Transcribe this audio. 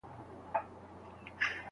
پلار بل ځای ښودلی دی.